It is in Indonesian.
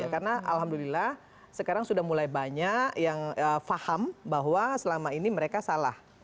karena alhamdulillah sekarang sudah mulai banyak yang paham bahwa selama ini mereka salah